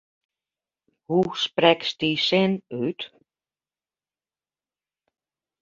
Hoe sprekst dy sin út?